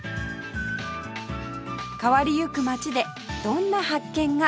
変わりゆく街でどんな発見が